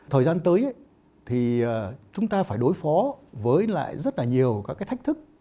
thời gian tới thì chúng ta phải đối phó với lại rất là nhiều các cái thách thức